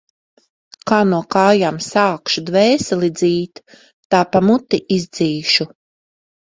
Kā no kājām sākšu dvēseli dzīt, tā pa muti izdzīšu.